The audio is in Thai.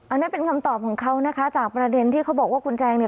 อันนี้เป็นคำตอบของเขานะคะจากประเด็นที่เขาบอกว่าคุณแจงเนี่ย